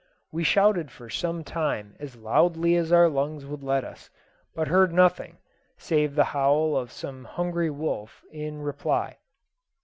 We shouted for some time as loudly as our lungs would let us, but heard nothing, save the howl of some hungry wolf, in reply.